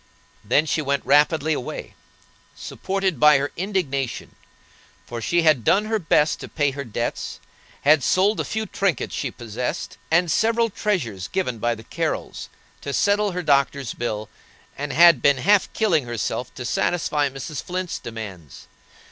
Then she went rapidly away, supported by her indignation, for she had done her best to pay her debts; had sold the few trinkets she possessed, and several treasures given by the Carrols, to settle her doctor's bill, and had been half killing herself to satisfy Mrs. Flint's demands.